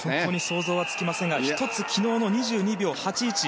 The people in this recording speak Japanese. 想像がつきませんが昨日の２２秒８１。